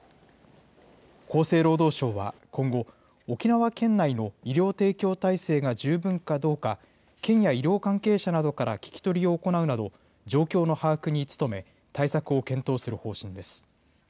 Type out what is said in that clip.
厚生労働省は今後、沖縄県内の医療提供体制が十分かどうか、県や医療関係者などから聞き取りを行うなど、状況の把握に努め、対策を検討する方針です。